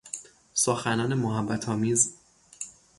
سخنان محبت آمیز